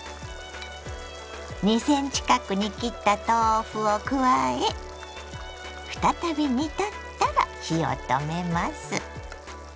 ２ｃｍ角に切った豆腐を加え再び煮立ったら火を止めます。